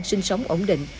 sinh sống ổn định